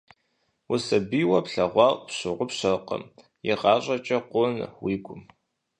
Усабийуэ плъэгъуар пщыгъупщэркъым, игъащӀэкӀэ къонэ уигу.